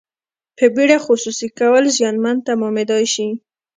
په بیړه خصوصي کول زیانمن تمامیدای شي.